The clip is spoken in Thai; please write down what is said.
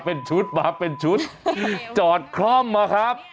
โอ้โหมาเป็นชุดจอดคร่อมมาครับ